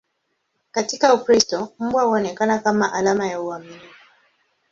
Katika Ukristo, mbwa huonekana kama alama ya uaminifu.